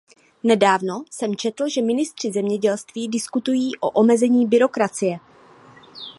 Nedávno jsem četl, že ministři zemědělství diskutují o omezení byrokracie.